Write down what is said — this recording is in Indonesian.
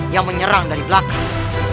yang menyerang dari belakang